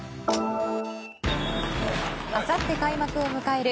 あさって開幕を迎える